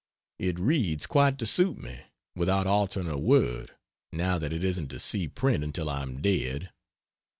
It reads quite to suit me, without altering a word, now that it isn't to see print until I am dead.